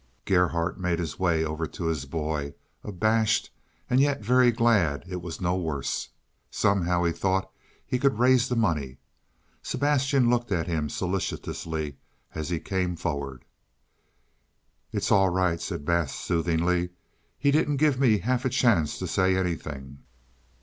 Gerhardt made his way over to his boy, abashed and yet very glad it was no worse. Somehow, he thought, he could raise the money. Sebastian looked at him solicitously as he came forward. "It's all right," said Bass soothingly. "He didn't give me half a chance to say anything."